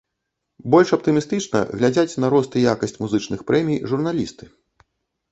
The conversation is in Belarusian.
Больш аптымістычна глядзяць на рост і якасць музычных прэмій журналісты.